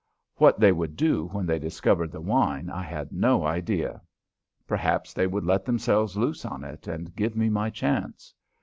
What they would do when they discovered the wine I had no idea. Perhaps they would let themselves loose on it and give me my chance.